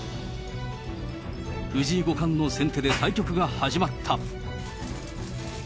藤井五冠の先手で対局が始まった。